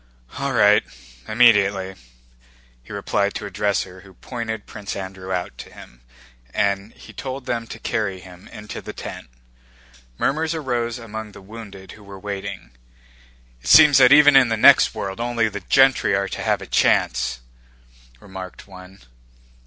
"All right, immediately," he replied to a dresser who pointed Prince Andrew out to him, and he told them to carry him into the tent. Murmurs arose among the wounded who were waiting. "It seems that even in the next world only the gentry are to have a chance!" remarked one.